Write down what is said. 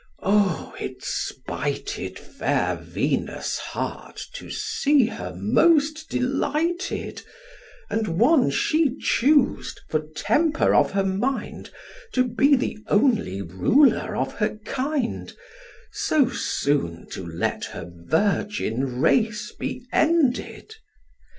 O, it spited Fair Venus' heart to see her most delighted, And one she choos'd, for temper of her mind, To be the only ruler of her kind, So soon to let her virgin race be ended!